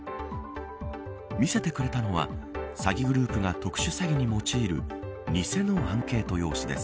見せてくれたのは詐欺グループが特殊詐欺に用いる偽のアンケート用紙です。